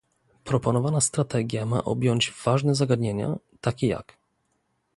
Proponowana strategia ma objąć ważne zagadnienia, takie jak